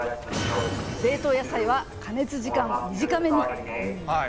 冷凍野菜は加熱時間短めに。